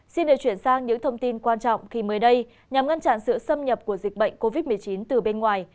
xin được chuyển sang những thông tin quan trọng khi mới đây nhằm ngăn chặn sự xâm nhập của dịch bệnh covid một mươi chín từ bên ngoài